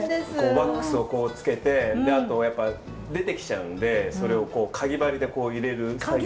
ワックスをこうつけてあとやっぱ出てきちゃうんでそれをかぎ針で入れる作業。